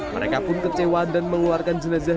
mereka pun kecewa dan mengeluarkan jenazah